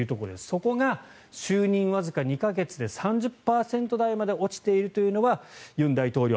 そこが就任わずか２か月で３０％台まで落ちているというのは尹大統領